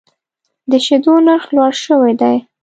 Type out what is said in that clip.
د شیدو نرخ لوړ شوی دی.